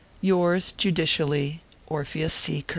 Yours, judicially, ORPHEUS C.